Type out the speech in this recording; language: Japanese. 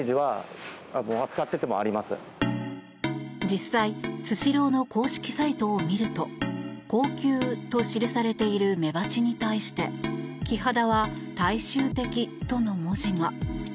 実際、スシローの公式サイトを見ると高級と記されているメバチに対してキハダは大衆的との文字が。